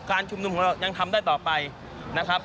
ชุมนุมของเรายังทำได้ต่อไปนะครับ